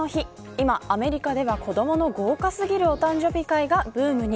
今、アメリカでは子どもの豪華すぎるお誕生日会がブームに。